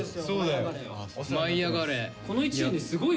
「舞いあがれ！」。